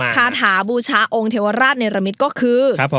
คาถาบูชาองค์เทวราชเนรมิตก็คือ